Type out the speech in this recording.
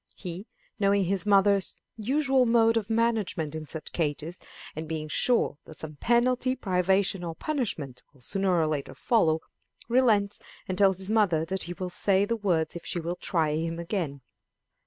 He, knowing his mother's usual mode of management in such cases, and being sure that some penalty, privation, or punishment will sooner or later follow, relents, and tells his mother that he will say the words if she will try him again.